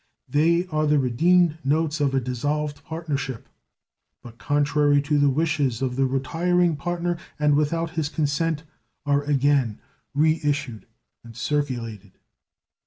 They are the redeemed notes of a dissolved partnership, but, contrary to the wishes of the retiring partner and without his consent, are again re issued and circulated.